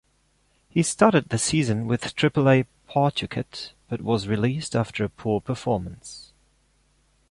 He started the season with Triple-A Pawtucket, but was released after a poor performance.